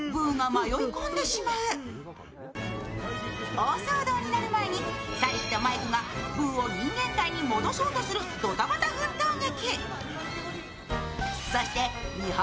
大騒動になる前にサリーとマイクがブーを人間界に戻そうとするドタバタ奮闘劇。